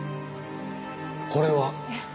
これは？